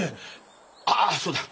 ああそうだ。